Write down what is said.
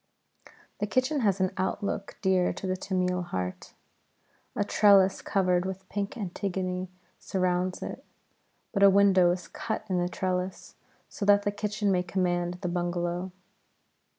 The kitchen has an outlook dear to the Tamil heart. A trellis covered with pink antigone surrounds it, but a window is cut in the trellis so that the kitchen may command the bungalow.